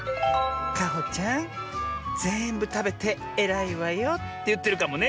「かほちゃんぜんぶたべてえらいわよ」っていってるかもね！